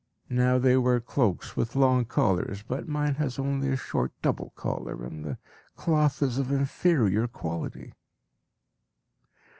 Now they wear cloaks with long collars, but mine has only a short double collar, and the cloth is of inferior quality.